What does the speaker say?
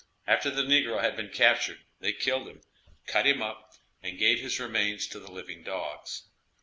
After the negro had been captured, they killed him, cut him up and gave his remains to the living dogs.